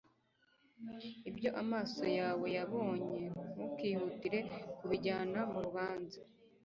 ibyo amaso yawe yabonye ntukihutire kubijyana mu rubanza